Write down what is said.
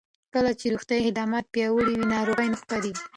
کله چې روغتیايي خدمات پیاوړي وي، ناروغۍ نه خپرېږي.